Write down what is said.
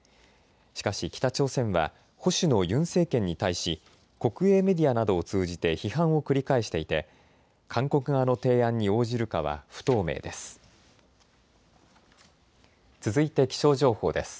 しかし北朝鮮は保守のユン政権に対し国営メディアなどを通じて批判を繰り返していて韓国側の提案に応じるかは不透明です。